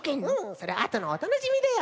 それはあとのおたのしみだよ。